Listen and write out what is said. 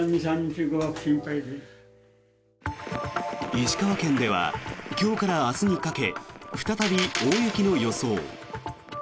石川県では今日から明日にかけ再び大雪の予想。